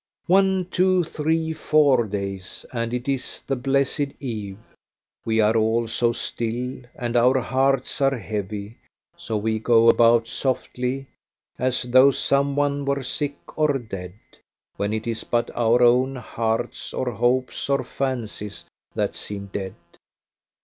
One, two, three, four days, and it is the blessed eve. We are all so still, and our hearts are heavy, so we go about softly, as though some one were sick or dead, when it is but our own hearts, or hopes, or fancies, that seem dead.